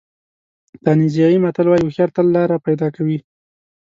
تانزانیایي متل وایي هوښیار تل لاره پیدا کوي.